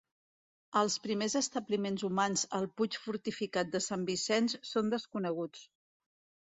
Els primers establiments humans al puig fortificat de Sant Vicenç són desconeguts.